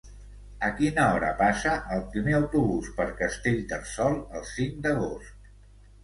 A quina hora passa el primer autobús per Castellterçol el cinc d'agost?